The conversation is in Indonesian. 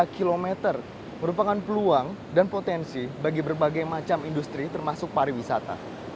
sembilan puluh sembilan sembilan puluh tiga kilometer merupakan peluang dan potensi bagi berbagai macam industri termasuk pariwisata